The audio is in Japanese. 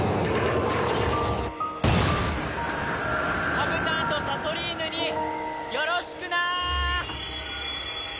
カブタンとサソリーヌによろしくなー！